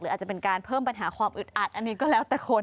อาจจะเป็นการเพิ่มปัญหาความอึดอัดอันนี้ก็แล้วแต่คน